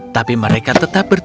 tapi mereka tetap berdua